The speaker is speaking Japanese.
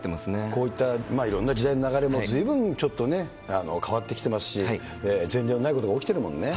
こういったいろんな時代の流れも、ずいぶんちょっとね、変わってきてますし、前例のないはい。